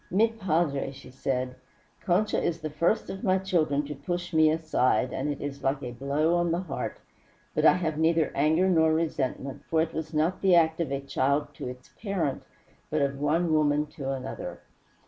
"Mi padre," she said, "Concha is the first of my children to push me aside, and it is like a blow on the heart; but I have neither anger nor resentment, for it was not the act of a child to its parent, but of one woman to another.